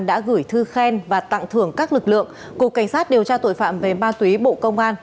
đã gửi thư khen và tặng thưởng các lực lượng cục cảnh sát điều tra tội phạm về ma túy bộ công an